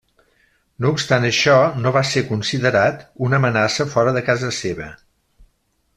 No obstant això, no va ser considerat una amenaça fora de casa seva.